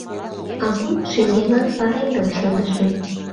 Агун шеҥгелан пареҥгым шындышым -